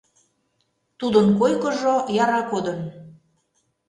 Тудын койкыжо яра кодын.